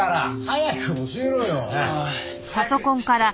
早く！